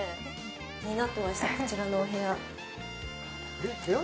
気になってました、こちらのお部屋。